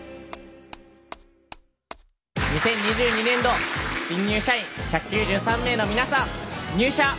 ２０２２年度新入社員１９３名の皆さん入社。